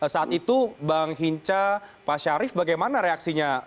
saat itu bang hinca pak syarif bagaimana reaksinya